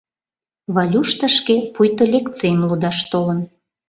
— Валюш тышке пуйто лекцийым лудаш толын.